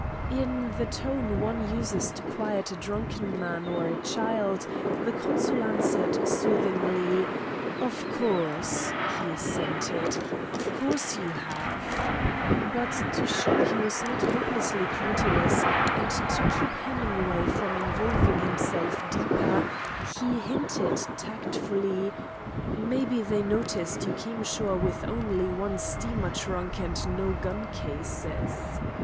In the tone one uses to quiet a drunken man or a child, the consul answered soothingly. "Of course," he assented "of course you have." But to show he was not hopelessly credulous, and to keep Hemingway from involving himself deeper, he hinted tactfully: "Maybe they noticed you came ashore with only one steamer trunk and no gun cases."